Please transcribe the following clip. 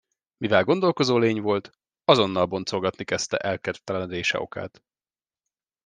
Mivel gondolkozó lény volt, azonnal boncolgatni kezdte elkedvetlenedése okát.